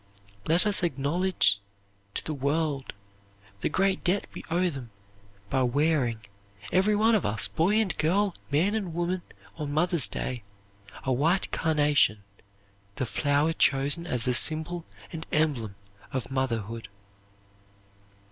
Let us acknowledge to the world the great debt we owe them by wearing, every one of us, boy and girl, man and woman, on Mothers' Day, a white carnation the flower chosen as the symbol and emblem of motherhood.